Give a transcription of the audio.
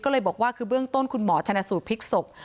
ก็เลยบอกว่าคือเบื้องต้นคุณหมอชนะสูตรพลิกศพ